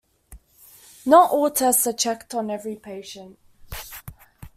Not all tests are checked on every patient.